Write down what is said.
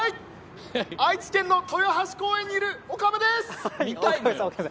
愛知県の豊橋公園にいる岡部です！